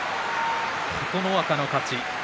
琴ノ若の勝ち。